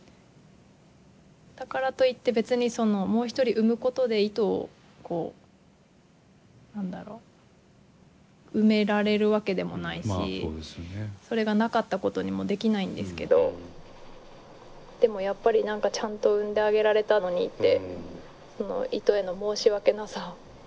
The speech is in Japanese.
だからといって別にそのもう一人産むことでイトをこう何だろう埋められるわけでもないしそれがなかったことにもできないんですけどでもやっぱり何かちゃんと産んであげられたのにってそのイトへの申し訳なさが自分の中で。